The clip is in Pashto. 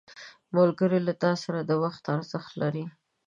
ملګری له تا سره د وخت ارزښت لري